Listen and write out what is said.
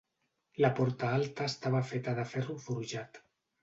La porta alta estava feta de ferro forjat.